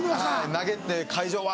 投げて会場わ！